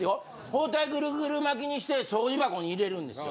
包帯グルグル巻きにして掃除箱に入れるんですよ。